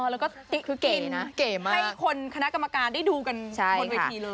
แล้วก็กินให้คนคณะกรรมการได้ดูกันบนวิธีเลย